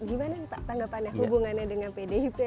gimana tanggapan pak hubungannya dengan pdip